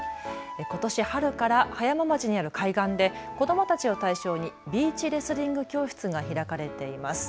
ことし春から葉山町にある海岸で子どもたちを対象にビーチレスリング教室が開かれています。